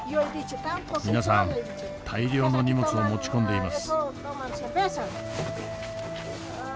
皆さん大量の荷物を持ち込んでいます。